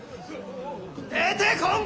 ・出てこんか！